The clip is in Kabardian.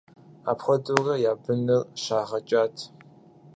Апхуэдэурэ я быныр щагъэкӀат.